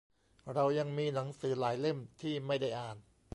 เรายังมีหนังสือหลายเล่มที่ไม่ได้อ่าน